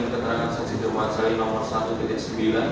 keterangan saksi dr arief setiawan sumarko nomor empat empat belas